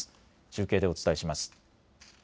中継でお伝えします。